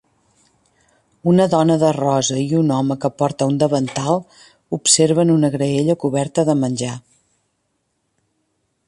Una dona de rosa i un home que porta un davantal, observen una graella coberta de menjar.